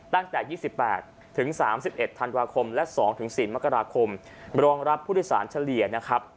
ตั้งแต่๒๘ถึง๓๑ธันวาคมและ๒๔มกราคมรองรับผู้โดยสารเฉลี่ยนะครับ